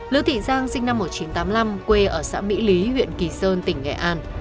lữ thị giang sinh năm một nghìn chín trăm tám mươi năm quê ở xã mỹ lý huyện kỳ sơn tỉnh nghệ an